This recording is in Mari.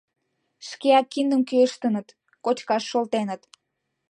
Шкеак киндым кӱэштыныт, кочкаш шолтеныт.